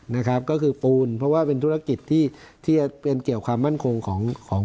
นะครับก็คือปูนเพราะว่าเป็นธุรกิจที่ที่จะเป็นเกี่ยวความมั่นคงของของ